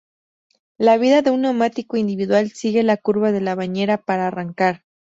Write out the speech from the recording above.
La vida de un neumático individual sigue la curva de la bañera, para arrancar.